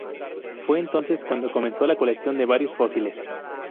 Fue entonces cuando comenzó la colección de varios fósiles.